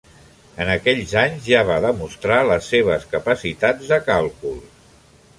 En aquells anys ja va demostrar les seves capacitats de càlcul.